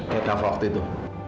kak fadil waktu itu